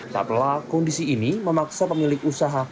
tak pelak kondisi ini memaksa pemilik usaha